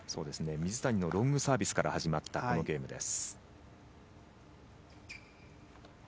水谷のロングサービスから始まったゲームです。